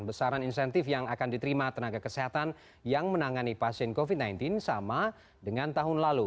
besaran insentif yang akan diterima tenaga kesehatan yang menangani pasien covid sembilan belas sama dengan tahun lalu